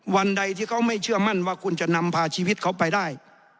วันใดที่เขาไม่เชื่อมั่นว่าคุณจะนำพาชีวิตเขาไปได้